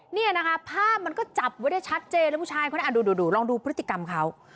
เนี่ยนะคะภาพมันก็จับไว้ได้ชัดเจนแล้วผู้ชายคนนั้นดูลองดูพฤติกรรมเขา